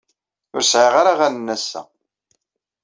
Ur sɛiɣ ara aɣanen ass-a.